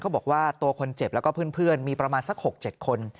บอกว่าตัวคนเจ็บแล้วก็เพื่อนมีประมาณสัก๖๗คน